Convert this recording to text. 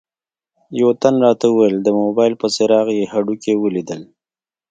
یوه تن راته وویل د موبایل په څراغ یې هډوکي ولیدل.